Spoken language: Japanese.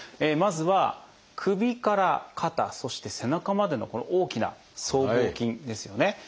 まずは首から肩そして背中までのこの大きな僧帽筋ですよね。